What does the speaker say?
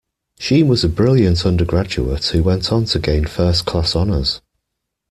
She was a brilliant undergraduate who went on to gain first class honours